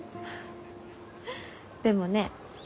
でもね